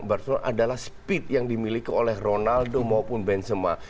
barcelona adalah speed yang dimiliki oleh ronaldo maupun benzema